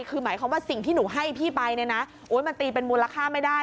คือหมายความว่าสิ่งที่หนูให้พี่ไปเนี่ยนะโอ๊ยมันตีเป็นมูลค่าไม่ได้